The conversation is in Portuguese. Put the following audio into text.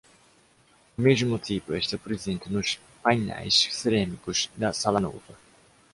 O mesmo tipo está presente nos painéis cerâmicos da Sala Nova.